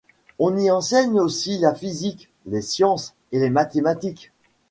On y enseigne aussi la physique, les sciences et les mathématiques.